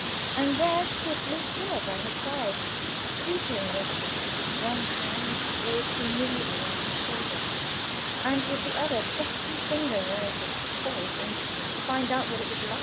And there stood Lucilla by his side, stooping over him with one hand laid familiarly on his shoulder, and with the other deftly fingering one of his horrid instruments to find out what it was like!